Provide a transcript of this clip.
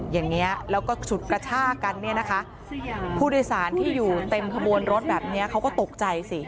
อย่างนี้แล้วก็ฉุดกระชากันเนี่ยนะคะผู้โดยสารที่อยู่เต็มขบวนรถแบบนี้เขาก็ตกใจสิ